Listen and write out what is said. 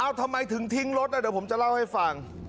ทำไมถึงทิ้งรถเดี๋ยวผมจะเล่าให้ฟัง